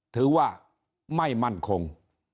ถือว่าไม่มั่นคง